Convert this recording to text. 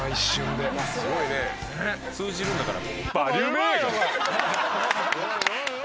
通じるんだから。